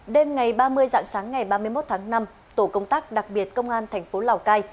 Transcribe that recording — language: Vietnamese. đêm ngày ba mươi dạng sáng ngày ba mươi một tháng năm tổ công tác đặc biệt công an thành phố lào cai